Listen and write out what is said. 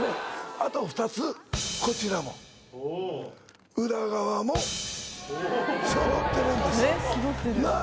あと２つこちらも裏側もそろってるんですなぁ？